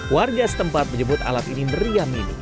warga setempat menyebut alat ini meriam ini